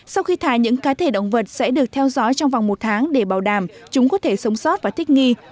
sau khi thả những cá thể động vật sẽ được theo dõi trong vòng một tháng để bảo đảm chúng có thể sống sót và thích nghi